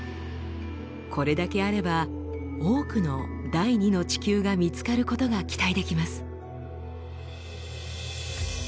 これだけあれば多くの第２の地球が見つかることが期待できます。